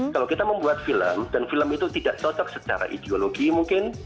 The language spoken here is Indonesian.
kalau kita membuat film dan film itu tidak cocok secara ideologi mungkin